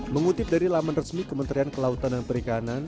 mengutip dari laman resmi kementerian kelautan dan perikanan